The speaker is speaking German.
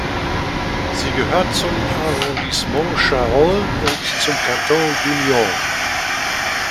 Sie gehört zum Arrondissement Charolles und zum Kanton Gueugnon.